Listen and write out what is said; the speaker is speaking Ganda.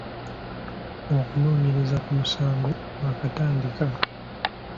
Okunoonyereza ku musango kwakatandika.